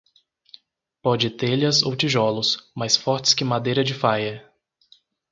Pode telhas ou tijolos, mais fortes que madeira de faia.